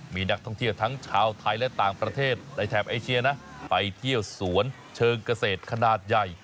มีนักท่องเที่ยวทั้งชาวไทยและต่างประเทศในแถบเอเชียนะไปเที่ยวสวนเชิงเกษตรขนาดใหญ่